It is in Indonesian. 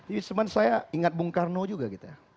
ya cuman saya ingat bung karno juga gitu ya